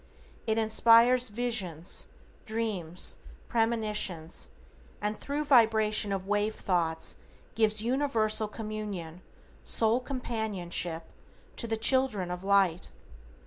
It inspires visions, dreams, premonitions, and thru vibration of wave thoughts gives universal communion, soul companionship, to the children of Light.